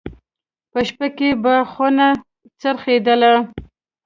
په شپه کې به خونه څرخېدل.